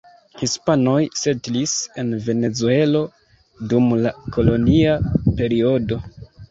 Hispanoj setlis en Venezuelo dum la kolonia periodo.